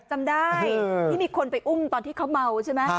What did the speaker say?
จำได้ที่มีคนไปอุ้มตอนที่เขาเมาใช่ไหม